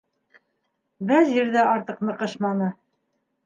Вәзир ҙә артыҡ ныҡышманы.